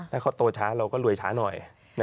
ถ้าเขาโตช้าเราก็รวยช้าหน่อย